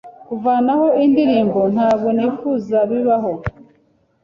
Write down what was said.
kuvanaho indirimbo ntabwo nifuza bibaho